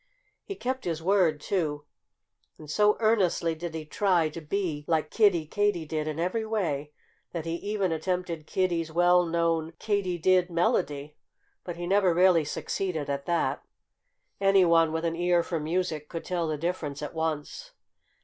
He kept his word, too. And so earnestly did he try to be like Kiddie Katydid in every way that he even attempted Kiddie's well known Katy did melody. But he never really succeeded at that. Anyone with an ear for music could tell the difference at once.